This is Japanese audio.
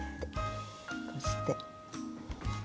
こうして。